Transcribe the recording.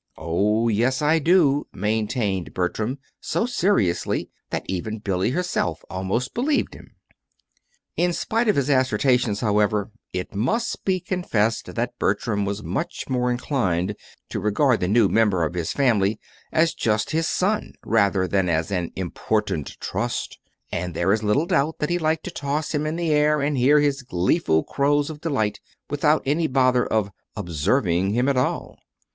"Oh, yes, I do," maintained Bertram so seriously that even Billy herself almost believed him. In spite of his assertions, however, it must be confessed that Bertram was much more inclined to regard the new member of his family as just his son rather than as an Important Trust; and there is little doubt that he liked to toss him in the air and hear his gleeful crows of delight, without any bother of Observing him at all.